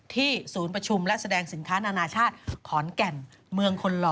ศูนย์ประชุมและแสดงสินค้านานาชาติขอนแก่นเมืองคนหล่อ